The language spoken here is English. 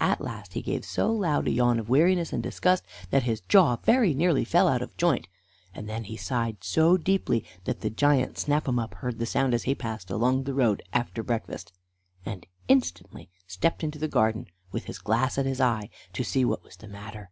At last he gave so loud a yawn of weariness and disgust that his jaw very nearly fell out of joint, and then he sighed so deeply that the giant Snap 'em up heard the sound as he passed along the road after breakfast, and instantly stepped into the garden, with his glass at his eye, to see what was the matter.